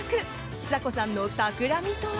ちさ子さんのたくらみとは？